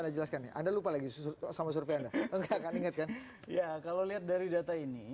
dijelaskan anda lupa lagi susu sama survei anda enggak inget kan iya kalau lihat dari data ini